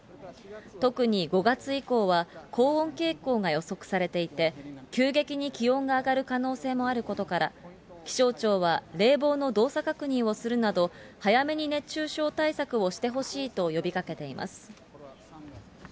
特に５月以降は高温傾向が予測されていて、急激に気温が上がる可能性もあることから、気象庁は冷房の動作確認をするなど、早めに熱中症対策をしてほしいと呼びかけています。